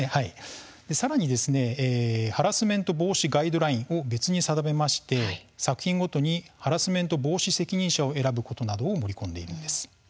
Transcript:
さらにハラスメント防止ガイドラインを別に定めまして作品ごとにハラスメント防止責任者を選ぶことなどを盛り込んでいるんです。